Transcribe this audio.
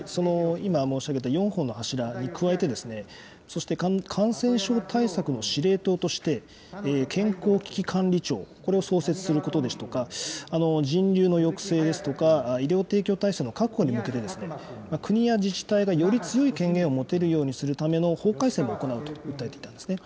今、申し上げた４本の柱に加えて、そして感染症対策の司令塔として、健康危機管理庁、これを創設することですとか、人流の抑制ですとか、医療提供体制の確保に向けて、国や自治体がより強い権限を持てるようにするための法改正も行うと訴えていたんですね。